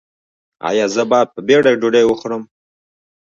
ایا زه باید په بیړه ډوډۍ وخورم؟